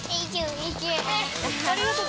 ありがとう。